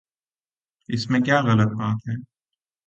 اس میں کیا غلط بات ہے؟